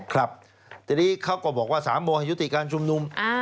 ครับทีนี้เขาก็บอกว่า๓โมงยุติการชุมนุม